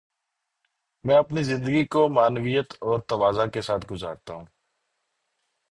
میں اپنی زندگی کو معنویت اور تواضع کے ساتھ گزارتا ہوں۔